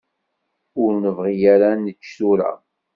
Ur nebɣi ara ad nečč tura.